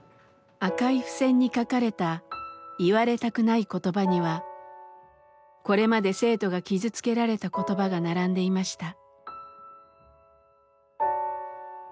赤い付箋に書かれた「言われたくない言葉」にはこれまで生徒が傷つけられた言葉が並んでいました。